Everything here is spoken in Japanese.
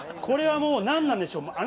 これはもう何なんでしょう